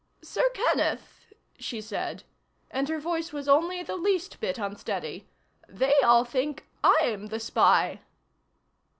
"Sir Kenneth," she said and her voice was only the least bit unsteady "they all think I'm the spy."